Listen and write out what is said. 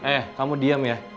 eh kamu diam ya